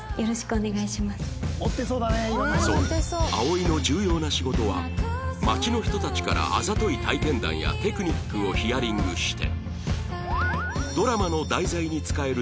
そう葵の重要な仕事は街の人たちからあざとい体験談やテクニックをヒアリングして